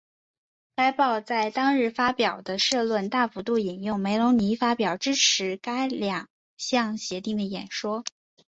该报在当日发表的社论大幅度引用梅隆尼发表支持该两项协定的演说。